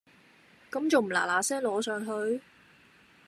咁重唔嗱嗱聲攞上去？